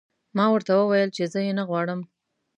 ما ورته وویل چې زه یې نه غواړم